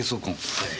はい。